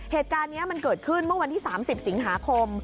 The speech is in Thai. เหตุการณ์นี้มันเกิดขึ้นเมื่อวันที่๓๐สิงหาคม